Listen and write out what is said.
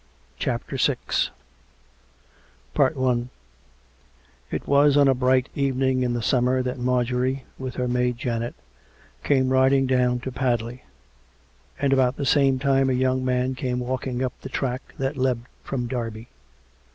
CHAPTER VI It was on a bright evening in the summer that Marjorie, with her maid Janet, came riding down to Padley, and about the same time a . young man came walking up the track that led from Derby.